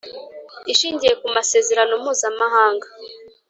Ishingiye ku masezerano Mpuzamahanga